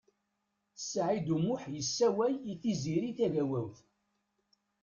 Saɛid U Muḥ yessewway i Tiziri Tagawawt.